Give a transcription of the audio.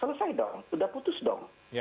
selesai dong sudah putus dong